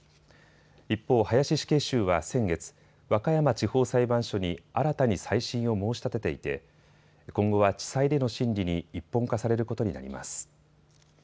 一方、林死刑囚は先月、和歌山地方裁判所に新たに再審を申し立てていて今後は地裁での審理に一本化されることになります。